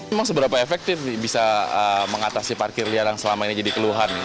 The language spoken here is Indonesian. memang seberapa efektif bisa mengatasi parkir liar yang selama ini jadi keluhan